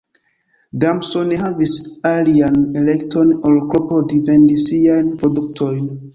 Damso ne havis alian elekton ol klopodi vendi siajn produktojn.